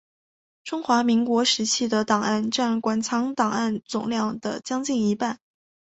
中华民国时期的档案占馆藏档案总量的将近一半。